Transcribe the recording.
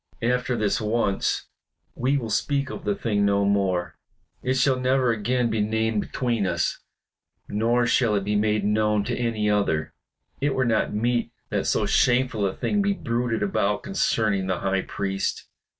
After this once we will speak of the thing no more; it shall never again be named between us. Nor shall it be made known to any other. It were not meet that so shameful a thing be bruited about concerning the High Priest.